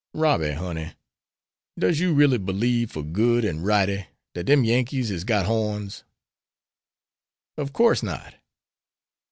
Robby, honey, does you really b'lieve for good and righty dat dem Yankees is got horns?" "Of course not."